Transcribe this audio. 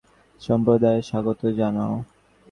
ঈশ্বর-উপলব্ধি সহায়ক যে-কোন সম্প্রদায়কেই স্বাগত জানাও।